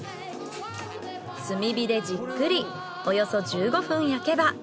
炭火でじっくりおよそ１５分焼けば。